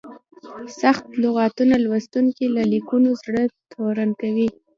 سخت لغتونه لوستونکي له لیکنو زړه تورن کوي.